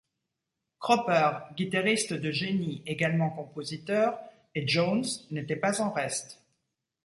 Cropper, guitariste de génie, également compositeur, et Jones, n'étaient pas en reste.